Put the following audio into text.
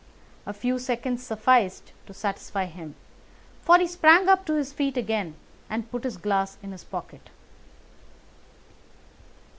A few seconds sufficed to satisfy him, for he sprang to his feet again and put his glass in his pocket.